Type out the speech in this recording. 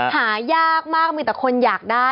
หายากมากมีแต่คนอยากได้